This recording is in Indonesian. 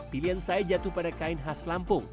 pilihan saya jatuh pada kain khas lampung